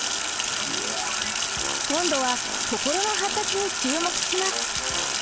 今度は心の発達に注目します！